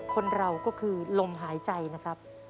คนเราก็คือลมหายใจนะครับ